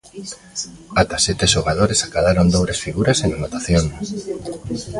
Ata sete xogadores acadaron dobres figuras en anotación.